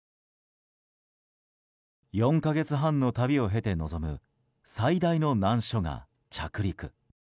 ４か月半の旅を経て臨む最大の難所が着陸。